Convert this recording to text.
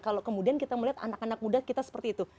kalau kemudian kita melihat anak anak muda kita seperti itu